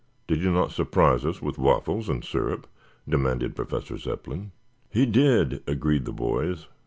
Did he not surprise us with waffles and syrup?" demanded Professor Zepplin. "He did," agreed the boys.